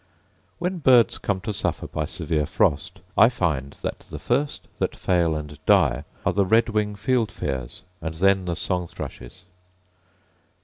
When birds come to suffer by severe frost, I find that the first that fail and die are the redwing fieldfares, and then the song thrushes.